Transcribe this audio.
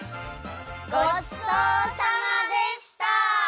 ごちそうさまでした！